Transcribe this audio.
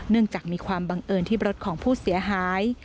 จากมีความบังเอิญที่รถของผู้เสียหาย